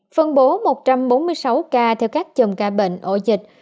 phân bố một trăm bốn mươi sáu ca theo các chồng ca bệnh ổ dịch